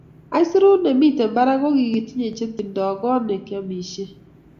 isurut nemiten barak kokitiny che tindo kot nekiamishen.